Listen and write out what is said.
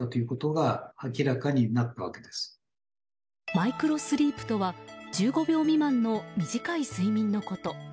マイクロスリープとは１５秒未満の短い睡眠のこと。